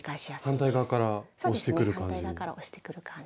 反対側から押してくる感じ？